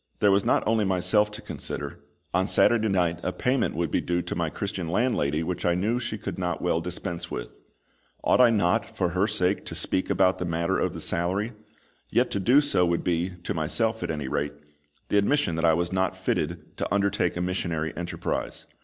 There was not only myself to consider; on Saturday night a payment would be due to my Christian landlady which I knew she could not well dispense with. Ought I not, for her sake, to speak about the matter of the salary? Yet to do so would be, to myself at any rate, the admission that I was not fitted to undertake a missionary enterprise.